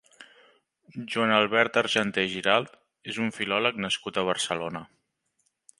Joan Albert Argenter i Giralt és un filòleg nascut a Barcelona.